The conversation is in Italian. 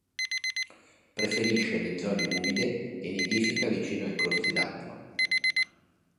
Preferisce le zone umide e nidifica vicino ai corsi d'acqua.